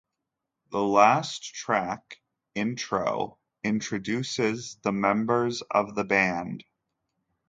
The last track, "Intro", introduces the members of the band.